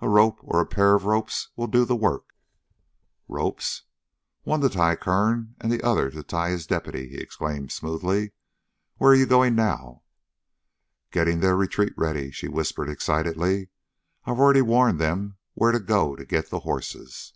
"A rope, or a pair of ropes, will do the work." "Ropes?" "One to tie Kern, and one to tie his deputy," he explained smoothly. "Where you going now?" "Getting their retreat ready," she whispered excitedly. "I've already warned them where to go to get the horses."